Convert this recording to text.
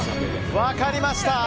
分かりました。